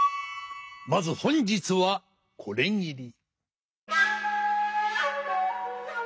まず本日はこれぎり。